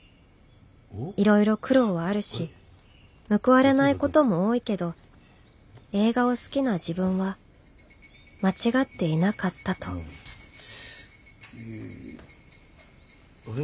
いろいろ苦労はあるし報われないことも多いけど映画を好きな自分は間違っていなかったとあれ？